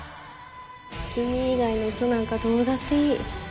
「君以外の人なんかどうだっていい」。